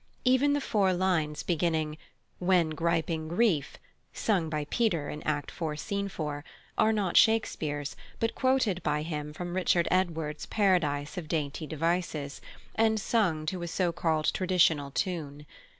Even the four lines beginning "When griping grief" (sung by Peter in Act iv., Scene 4) are not Shakespeare's, but quoted by him from Richard Edwards's Paradise of Daintee Devices, and sung to a so called traditional tune.